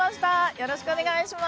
よろしくお願いします